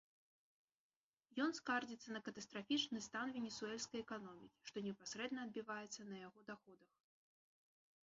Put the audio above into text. Ён скардзіцца на катастрафічны стан венесуэльскай эканомікі, што непасрэдна адбіваецца на яго даходах.